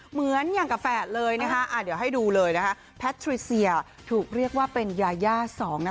เหมือนอย่างกับแฝดเลยนะคะเดี๋ยวให้ดูเลยนะคะแพทริเซียถูกเรียกว่าเป็นยายา๒นะคะ